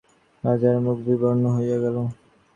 রাজার মুখ বিবর্ণ হইয়া গেল।